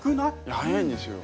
早いんですよ。